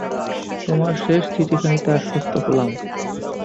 তোমার শেষ চিঠিখানিতে আশ্বস্ত হলাম।